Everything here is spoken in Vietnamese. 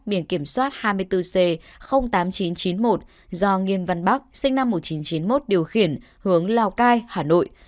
biển kiểm soát hai mươi bốn c tám nghìn chín trăm chín mươi một do nghiêm văn bắc sinh năm một nghìn chín trăm chín mươi một điều khiển hướng lào cai hà nội